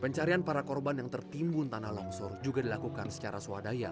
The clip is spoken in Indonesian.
pencarian para korban yang tertimbun tanah longsor juga dilakukan secara swadaya